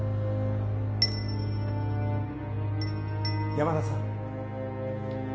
山田さん。